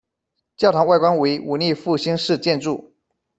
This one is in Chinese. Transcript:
教堂外观为文艺复兴式建筑。